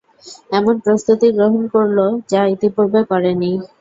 এমন প্রস্তুতি গ্রহণ করল যা ইতিপূর্বে করেনি।